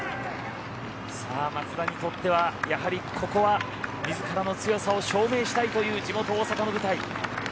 松田にとってはやはりここは自らの強さを証明したいという地元・大阪の舞台。